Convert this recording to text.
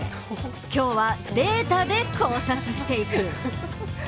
今日はデータで考察していく。